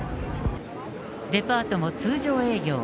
デパートも通常営業。